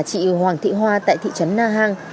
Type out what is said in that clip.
chị hoàng thị hoa tại thị trấn na hàng